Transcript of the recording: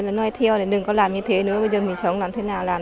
là nói theo là đừng có làm như thế nữa bây giờ mình sống làm thế nào làm